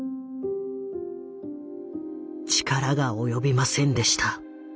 「力が及びませんでした」。